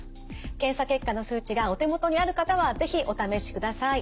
検査結果の数値がお手元にある方は是非お試しください。